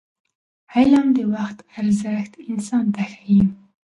علم د وخت ارزښت انسان ته ښيي.